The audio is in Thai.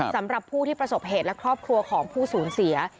สำหรับผู้ที่ประสบเหตุและครอบครัวของผู้สูญเสีย